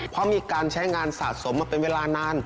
เพราะมีการใช้งานสะสมมาเป็นเวลานาน